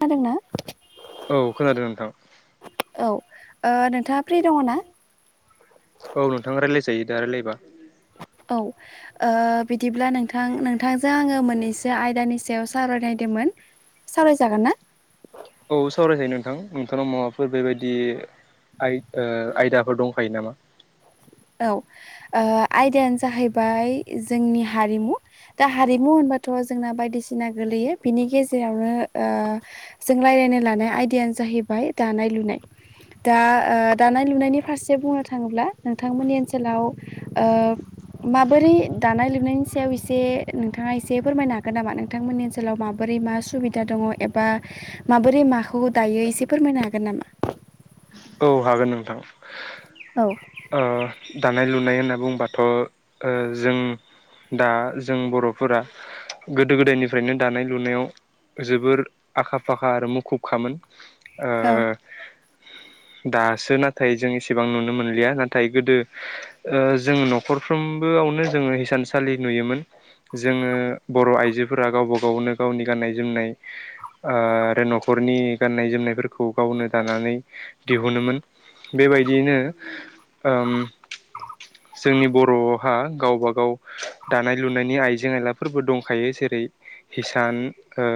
खोनादोंना? औ खोनादों नोंथां। औ ओ नोंथांङा फ्रि दंङ ना? औ नोंथां रायलायजायो दा रायलायबा। औ ओ बिदिब्ला नोंथां नोंथांजों आंङो मोननैसो आयदानि सायाव सावरायनायदोंमोन। सावरायजागोना? औ सावरायजायो नोंथां नोंथांनाव माबाफोर बेबायदि आइ ओ आयदाफोर दंखायो नामा? औ ओ आयदायानो जाहैबाय जोंनि हारिमु। दा हारिमु होनबाथ जोंना बायदिसिना गोलैयो बिनि गेजेरावनो ओ जों रायलायनो लानाय आयदायानो जाहैबाय दानाय लुनाय। दा ओ-दानाय लुनायनि फारसे बुंनो थांङोब्ला नोंथांमोननि ओनसोलाव ओ माबोरै दानाय लुनायनि सायाव एसे नोंथांङा एसे फोरमायनो हागोन नामा नोंथांमोननि ओन जेनबा माबोरै मा सुबिदा दंङ एबा माबोरै माखौ दायो एसे फोरमायनो हागोन नामा? औ हागोन नोंथां। औ ओ दानाय लुनाय होनना बुंबाथ ओ जों। दा जों बरफोरा गोदो गोदायनिफ्रायनो दानाय लुनायाव जोबोर आखा फाखा आरो मुखुबखामोन। ओ औ दासो नाथाय जों एसेबां नुनो मोनलिया नाथाय गोदो जों नखरफ्रोमबोआवनो जोंङो हिसानसालि नुयोमोन। जोंङो बर आइजोफोरा गावबा गावनो गावनि गाननाय जोमनाय ओ आरो नखरनि गाननाय जोमनायफोरखौ गावनो दानानै दिहुनोमोन बेबायदियैनो ओम जोंनि बर'हा गावबा गाव दानाय लुनायनि आइजें आयलाफोरबो दंखायो जेरै हिसान ओ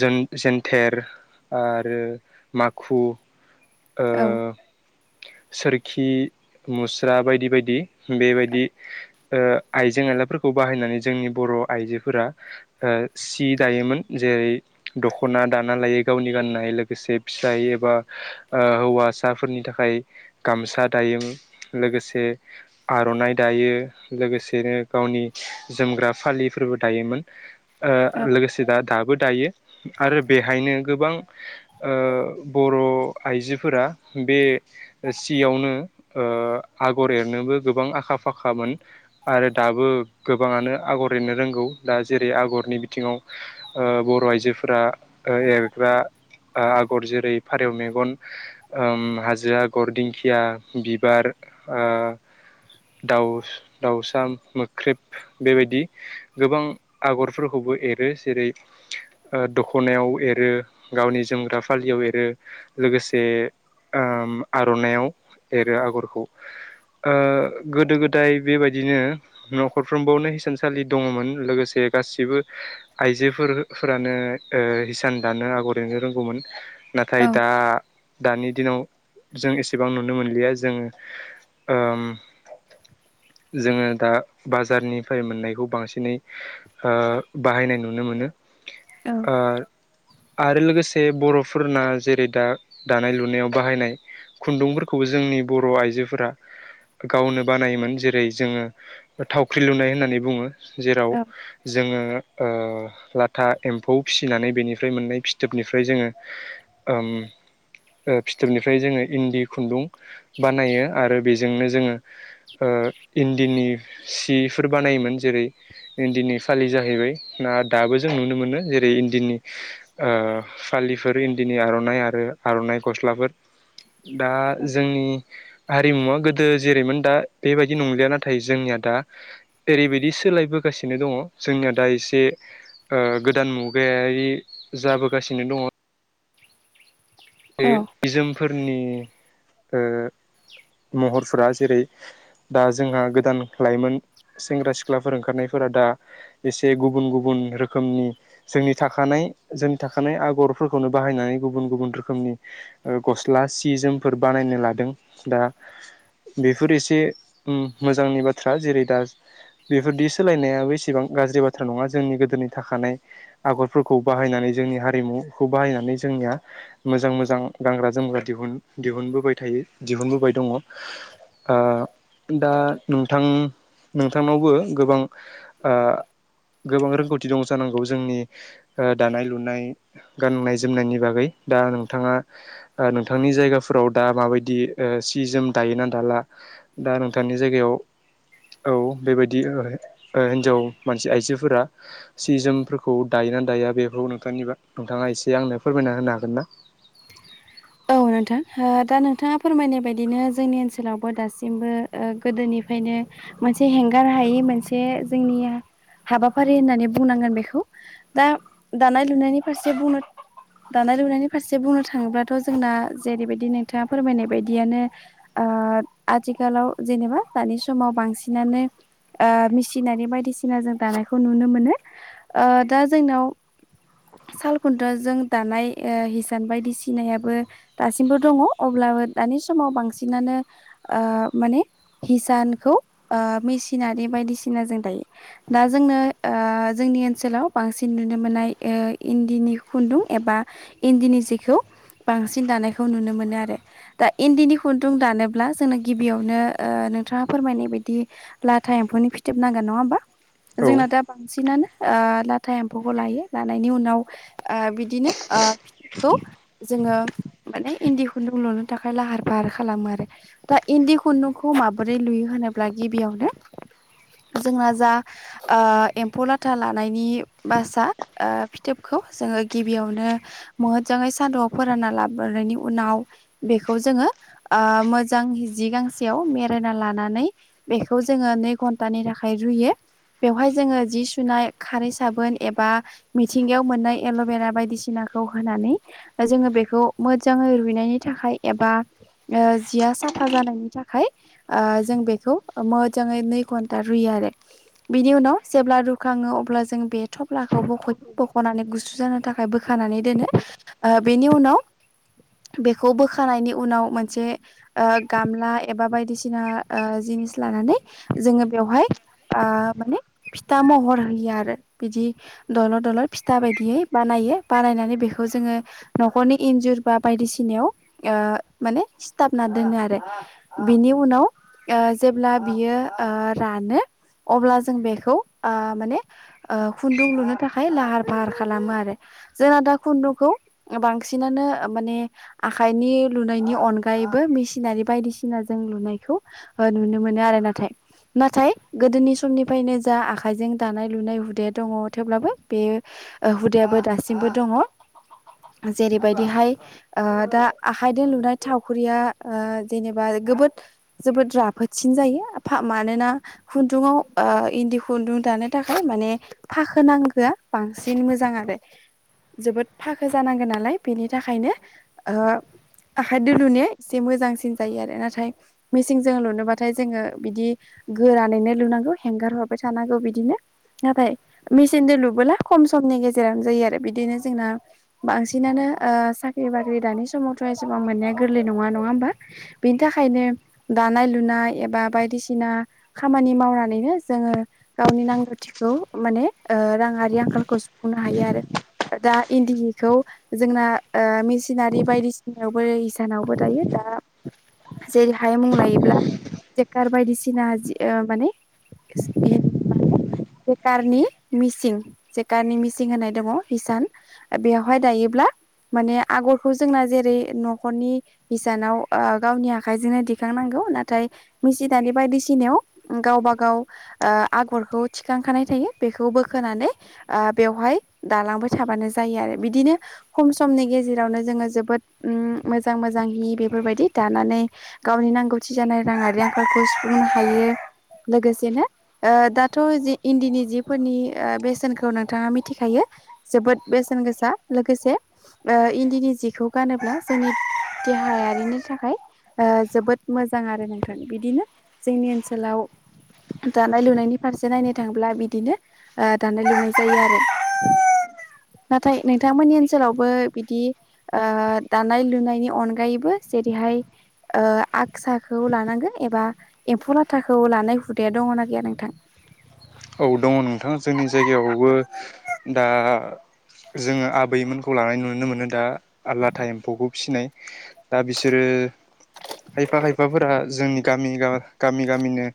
जोन-जेनथेर आरो माखु। ओ औ सोरखि मुस्रा बायदि बायदि। बेबायदि ओ आइजें आइलाफोरखौ बाहायनानै जोंनि बर आइजोफोरा ओ सि दायोमोन जेरै दखना दाना लायो गावनि गाननाय लोगोसे फिसाय एबा ओ हौवासाफोरनि थाखाय गामसा दायो लोगोसे आरनाइ दायो लोगोसेनो गावनि जोमग्रा फालिफोरबो दायोमोन ओ लोगोसे दा दाबो दायो आरो बेहायनो गोबां ओ बर' आइजोफोरा बे सियावनो ओ आगर एरनोबो गोबां आखा फाखामोन। आरो दाबो गोबाङानो आगर एरनो रोंगौ दा जेरै आगरनि बिथिङाव ओ बर' आइजोफोरा ओ एरग्रा ओ आगर जेरै फारेव मे गन ओम हाजो आगर दिंखिया बिबार ओ दाउस-दाउसा मोख्रेब बे बायदि गोबां आगरफोरखौबो एरो जेरै ओ दख'नायाव एरो, गावनि जोमग्रा फालियाव एरो ‌। लोगोसे ओम आर'नायाव एरो आगरखौ। ओ गोदो गोदाय बेबायदिनो। न'खरफ्रोमबावनो हिसानसालि दङमोन लोगोसे गासिबो आइजोफोर-फोरानो ओ हिसान दानो आगर एरनो रोंगौमोन ना औ दा दानि दिनाव जों एसेबां नुनो मोनलिया जोङो। ओम जोङो दा बाजारनिफ्राय मोननायखौ बांसिनै हो बाहायनाय नुनो मोनो ‌। औ ‌। ओ आरो लोगोसे बर'फोरना जे हे दा दानाय लुनायाव बाहायनाय खुन्दुंफोरखौबो जोंनि बर' आइजोफोरा गावनो बानायोमोन जेरै जोङो थावख्रि लुनाय होननानै बुङो। जेराव औ जोङो ओ लाथा एम्फौ फिसिनानै बेनिफ्राय मोननाय फिथोबनिफ्राय जोङो ओम ओ फिथोबनिफ्राय जोङो इन्दि खुन्दुं बानायो आरो बिजोंनो जोङो ओ इन्दिनि सिफोर बानायोमोन जेरै इन्दिनि फालि जाहैबाय ना दाबो जों नुनो मोनो जेरै इन्दिनि ओ फालिफोर इन दिनि आर'नाइ आरो आर'नाइ गस्लाफोर दा जोंनि हारिमुवा गोदो जेरैमोन दा बेबायदि नंलिया नाथाय जोंनिया दा जेरैबायदि सोलायबोगासिनो दङ जोंनिया दा एसे ओ गोदान मुगायारि जाबोगासिनो दङ। बे औ बिजोमफोरनि ओ महरफोरा जेरै दा जोंहा गोदान लाइमोन सेंग्रा सिख्लाफोर ओंखारनायफोरा दा एसे गुबुन गुबुन रोखोमनि जोंनि थाखाना-जोंनि थाखानाय आगरफोरखौनो बाहायनानै गुबुन गुबुन रो खोमनि ओ गस्ला सि जोमफोर बानायनो लादों दा बेफोर एसे उम मोजांनि बाथ्रा जेरै दा बेफोरदि सोलायनायाबो एसेबां गाज्रि बाथ्रा नङा जोंनि गोदोनि थाखानाय आगरफोरखौ बाहायनानै जोंनि हारिमुखौ बाहायनानै जोंनिया मोजां मोजां गानग्रा जोमग्रा दिहुन दिहुनबोबाय थायो दिहुनबोबाय दङ। ओ दा नोंथां नोंथांनावबो गोबां ओ गोबां रोंगौथि दं जानांगौ जोंनि ओ दानाय लुनाय गाननाय जोमनायनि बागै दा नोंथाङा ओ नोंथांनि जायगाफोराव दा मा बायदि ओ सि जोम दायो ना दाला? दा नोंथांनि जायगायाव औ बेबायदि ओइ ओ हिन्जाव मानसि आइजोफोरा सि जोमफोरखौ दायो ना दाया बेफोरखौ नोंथांनिबा नोंथाङा एसे आंनो फोरमायना होनो हागोन ना? औ नोंथां हो दा नोंथाङा फोरमायनाय बायदिनो जोंनि ओनसोलावबो दासिमबो ओ गोदोनिफ्रायनो मोनसे हेंगार हायि मोनसे जोंनिया हाबाफारि होननानै बुंनांगोन बेखौ। दा दानाय लुनायनि फारसे बुंनो दानाय लुनायनि फारसे बुंनो थाङोब्ला थ' जोंना जेरैबायदि नोंथाङा फोरमायनाय बायदियानो ओ आथिखालाव जेनेबा दानि समाव बांसिनानो ओ मिसिनारि बायदिसिना जों दानायखौ नुनो मोनो ओ दा जोंनाव साल खुन्थाजों दानाय ओ हिसान बायदिसिनायाबो दासिमबो दङ अब्लाबो दानि समाव बांसिनानो माने हिसानखौ मेसिननानै बायदिसिना जों दायो। दा जोंनो जोंनि ओनसोलाव बांसिन नुनो मोननाय इन्दिनि खुन्दुं एबा इन्दिनि जिखौ बांसिन दानायखौ नुनो मोनो आरो। दा इन्दिनि खुन्दुं दानोब्ला जोङो गिबियावनो नोंथाङा फोरमायनाय बायदि लाथा एम्फौनि फिथोब नांगोन नङा होमबा? औ जोंना दा बांसिनानो लाथा एम्फौखौ लायो। लानायनि उनाव ओ बिदिनो फिथोबखौ जोङो माने इन्दि खुन्दुं लुनो थाखाय लाहार फाहार खालामो आरो। दा इन्दि खुन्दुंखौ माबोरै लुयो होनोब्ला गिबियावनो जोंना जा ओ एम्फौ लाथा लानायनि बासा ओ फिथोबखौ जोङो गिबियावनो महोजाङै सादुआव फोरानना लाबोनायनि उनाव बेखौ जोङो मोजां जि गांसेयाव मेरायना लानानै बेखौ जोङो नै घन्टानि थाखाय रुयो। बेवहाय जोङो जि सुनाय खारै साबोन एबा मिथिंगायाव मोननाय एल'भेरा बायदिसिनाखौ होनानै जोङो बेखौ मोजाङै रुइनायनि थाखाय एबा जिया साफा जानायनि थाखाय जों बेखौ मोजाङै नै घन्टा रुयो आरो। बिनि उनाव जेब्ला रुखाङो अब्ला जों बे थफ्ला खौ बख'यो बख'नानै गुसु जानो थाखाय बोखानानै दोनो बेनि उनाव बेखौ बोखानायनि उनाव मोनसे ओ गामला एबा बायदिसिना जिनिस लानानै जोङो बेवहाय ओ माने फिथा महर होयो आरो बिदि दलर दलर फिथा बायदियै बानायो बानायनानै बेखौ जोङो न'खरनि इन्जुर बा बायदिसिनायाव माने सिथाबना दोनो आरो। बिनि उनाव जेब्ला बियो रानो अब्ला जों बेखौ माने खुन्दुं लुनो थाखाय लाहार फाहार खालामो आरो जोंना दा खुन्दुंखौ बांसिनानो माने आखाइनि लुनायनि अनगायैबो मेसिनारि बायदिसिना जों लुनायखौ नुनो मोनो आरो नाथाय नाथाय गोदोनि समनिफ्रायनो जा आखाइजों दानाय लुनाय हुदाया दङ थेवब्लाबो बे हुदायाबो दासिमबो दङ जेरैबायदिहाय दा आखाइजों लुनाय थावख्रिया जेनेबा गोबोद जोबोद राफोदसिन जायो मानोना खुन्दुङाव इन्दि खुन्दुं दानो थाखाय माने फाखोनां होोटआ बांसिन मोजां आरो जोबोद फाखो जानांगोन नालाय बेनि थाखायनो ओ आखाइ दोलुनाया एसे मोजांसिन जायो आरो नाथाय मेसिनजों लुनोबाथाय जोङो बिदि गोरानैनो लुनांगौ हेंगार हरबाय थानांगौ बिदिनो नाथाय सेन्देल लुबोला खम समनि गेजेरावनो जायो आरो बिदिनो जोंना बांसिनानो ओ साख्रि बाख्रि दानि समावथ' एसेबां मोननाया गोरलै नङा नङा होमबा? बेनि थाखायनो दानाय लुनाय एबा बायदिसिना खामानि मावनानैनो जोङो गावनि नांगौथिखौ माने राङारि आंखालखौ सुफुंनो हायो आरो दा इन्दिखौ जोंना मेसिनारि बायदिसिनायावबो इसानावबो दायो। दा जेरै हाय मुं लायोब्ला जेकार बायदिसिना जि ओ माने एसे एनै माहोनो बेखारनि मिसिं जेकारनि मिसिं होननाय दङ हिसान बेवहाय दायोब्ला माने आगरखौ जोंना जेरै न'खरनि इसानाव गावनि आखाइजोंनो दिखांनांगौ। नाथाय मिसि दानि बायदिसिनायाव गावबा गाव आगरखौ थिखांखानाय थायो। बे खौ बोखोनानै बेवहाय दालांबाय थाबानो जायो आरो बिदिनो खम समनि गेजेरावनो जोङो जोबोद मोजां मोजां हि बेफोरबायदि दानानै गावनि नांगौथि जानाय राङारि आंखालखौ सुफुंनो हायो। लोगोसेनो दाथ' जि इन्दिनि जि फोरनि बेसेनखौ नोंथाङा मिथिखायो जोबोद बेसेन गोसा। लोगोसे इन्दिनि जिखौ गानोब्ला जोंनि देहायारिनि थाखाय जोबोद मोजां आरो नोंथां। बिदिनो जोंनि ओनसोलाव दानाय लुनायनि फारसे नायनो थांब्ला बिदिनो दानाय लुनाय जायो आरो। नाथाय नोंथांमोननि ओनसोलावबो बिदि दानाय लुनायनि अनगायैबो जेरैहाय आगसाखौ लानांगोन एबा एम्फौ लाथाखौ लानाय हुदाया दङना गैया नोंथां? औ दङ नोंथां जोंनि जायगायावबो दा जोङो आबैमोनखौ लानानै नुनो मोनो दा लाथा एम्फौखौ फिसिनाय। दा बिसोरो खायफा खायफाफोरा जोंनि गामि गा गामि गामिनो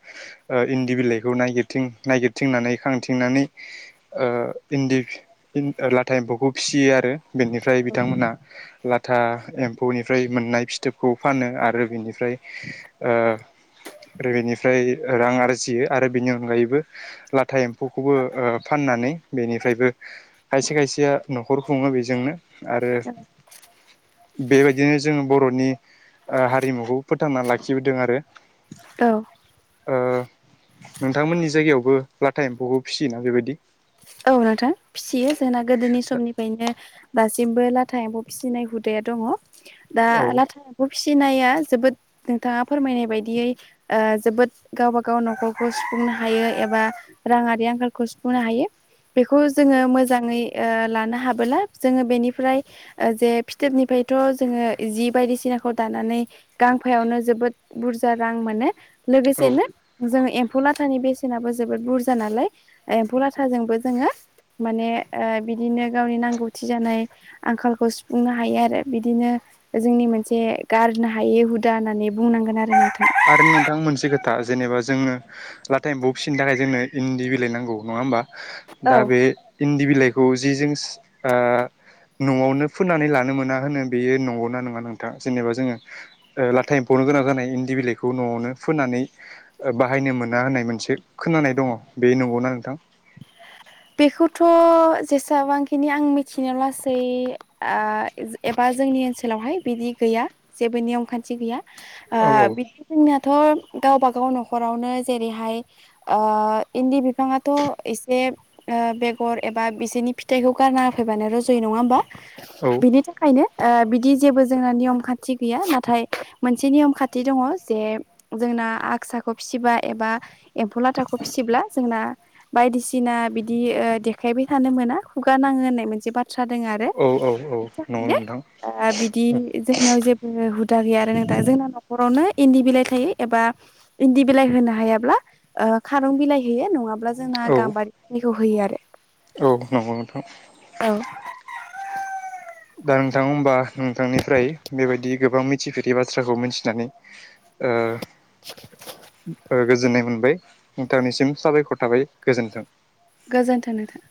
इन्दि बिलाइखौ नागिरथिं नागिरथिंनानै खांथिंनानै इन्दि इन लाथा एम्फौखौ फिसियो आरो। बेनिफ्राय बिथांमोना ला था एम्फौनिफ्राय मोननाय फिथोबखौ फानो आरो बिनिफ्राय आरो बेनिफ्राय रां आरजियो आरो बेनि अनगायैबो लाथा एम्फौखौबो फाननानै बेनिफ्रायबो खायसे खायसेया न'खर खुङो बेजोंनो आरो औ बेबायदिनो जोङो बर'नि हारिमुखौ फोथांना लाखिबोदों आरो। औ। नोंथांमोननि जायगायावबो लाथा एम्फौखौ फिसियोना बेबायदि? औ नोंथां फिसियो जोंना गोदोनि समनिफ्रायनो दासि सिमबो लाथा एम्फौ फिसिनाय हुदाया दङ। दा औ लाथा एम्फौ फिसिनाया जोबोद नोंथाङा फोरमायनाय बायदियै जोबोद गावब गाव न'खरखौ सुफुंनो हायो एबा राङारि आंखालखौ सुफुंनो हायो। बेखौ जोङो मोजाङै लानो हाबोला जोङो बेनिफ्राय ओ जे फिथोबनिफायथ' जोङो जि बायदिसिनाखौ दानानै गांफायावनो जोबोद बुरजा रां मोनो। औ लोगोसेनो जोङो एम्फौ लाथानि बेसेनाबो जोबोद बुरजा नालाय एम्फौ लाथ थाजोंबो जोङो माने ओ बिदिनो गावनि नांगौथि जानाय आंखालखौ सुफुंनो हायो आरो बिदिनो जोंनि मोनसे गारनो हायै हुदा होननानै बुंनांगोन आरो नोंथां। आरो नोंथां मोनसे खोथा जेनेबा जोङो लाथा एम्फौ फिसिनो थाखाय जोंनो इन्दि बिलाइ नांगौ नङा होमबा। औ दा बे इन्दि बिलाइखौ जि जों न'आवनो फोननानै लानो मोना होनो बेयो नंगौना नङा नोंथां जेनेबा जोङो लाथा एम्फौनो गोनां जानाय इन्दि बिलाइ बेखौ न'आवनो फोनानै बाहायनो मोना होननाय मोनसे खोनानाय दङ बे नंगौना नोंथां? बेखौथ' जेसाबांखिनि आं मिथिनो लासै आ जो एबा जोंनि ओनसोलावहाय बिदि गैया जेबो नियम खान्थि गैया। ओ औ औ बिदि जोंनियाथ' गावबा गाव न'खरावनो जेरैहाय ओ इन्दि बिफाङाथ' एसे ओ बेगर एबा बिसोनि फिथाइखौ गारना होफैबानो रज'यो नङा होमबा औ बिनि था खायनो ओ बिदि जेबो जोंना नियम खान्थि गैया नाथाय मोनसे नियम खान्थि दङ जे जोंना आगसाखौ फिबा एबा एम्फौ लाथाखौ फिसिब्ला जोंना बायदिसिना बिदि ओ देखायबाय थानो मोना खुगा नाङो होननाय मोनसे बा थ्रा दोङ आरो औ औ औ नंगौ थाखायनो नोंथां ओ बिदि जोंनियाव जेबो हुदा गैया आरो नोंथां जोंना न'खरावनो इन्दि बिलाइ थायो एबा इन्दि बिलाइ होनो हायाब्ला ओ खारुं बिलाइ होयो नङाब्ला जोंङा औ गाम्बारि निखौ होयो आरो। औ नंगौ नोंथां। औ दा नोंथां होमबा नोंथांनिफ्राय बेबायदि गोबां मिथिफेरै बाथ्राखौ मिथिनानै ओ ओ गोजोननाय मोनबाय। नोंथांनिसिम साबायखर थाबाय गोजोन्थों। गोजोनथो नोथां।